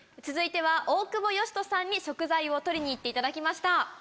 続いて大久保嘉人さんに食材を取りに行っていただきました。